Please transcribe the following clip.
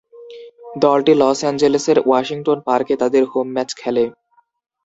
দলটি লস অ্যাঞ্জেলেসের ওয়াশিংটন পার্কে তাদের হোম ম্যাচ খেলে।